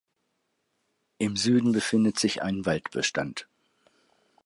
Im Süden befindet sich ein Waldbestand.